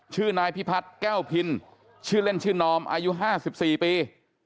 ชื่อนายพิพัฒน์แก้วพินชื่อเล่นชื่อนอมอายุ๕๔ปี